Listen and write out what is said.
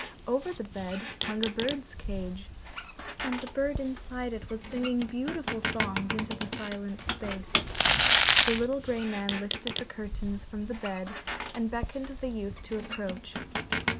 Over the bed hung a bird's cage, and the bird inside it was singing beautiful songs into the silent space. The little grey man lifted the curtains from the bed and beckoned the youth to approach.